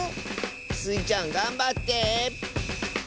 スイちゃんがんばって。